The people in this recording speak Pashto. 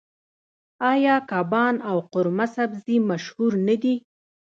آیا کباب او قورمه سبزي مشهور نه دي؟